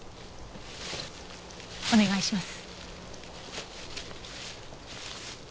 お願いします。